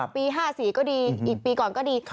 ปี๕๔ก็ดีอีกปีก่อนก็ดี